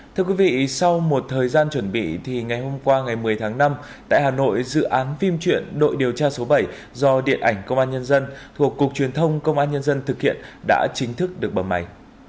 thưa quý vị sau một thời gian chuẩn bị thì ngày hôm qua ngày một mươi tháng năm tại hà nội dự án phim truyện đội điều tra số bảy do điện ảnh công an nhân dân thuộc cục truyền thông công an nhân dân thực hiện đã chính thức được bầm mày